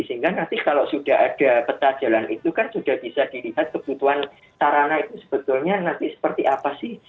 sehingga nanti kalau sudah ada peta jalan itu kan sudah bisa dilihat kebutuhan sarana itu sebetulnya nanti seperti apa sih